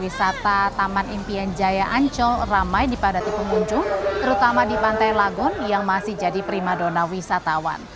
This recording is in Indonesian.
wisata taman impian jaya ancol ramai dipadati pengunjung terutama di pantai lagon yang masih jadi prima dona wisatawan